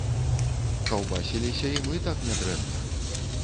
Каўбасіліся і мы так нядрэнна!